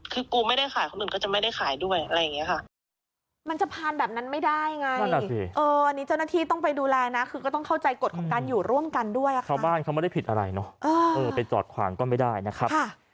คือกูไม่ได้ขายคนอื่นก็จะไม่ได้ขายด้วยอะไรอย่างนี้ค่ะ